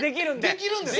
できるんですか？